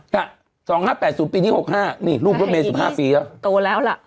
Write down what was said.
ค่ะ๒๕๘๐ปีที่๖๕นี่ลูกก็เป็น๑๕ปีแล้ว